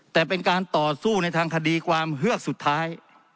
แต่เป็นการต่อสู้ในทางคดีความเฮือกสุดท้าย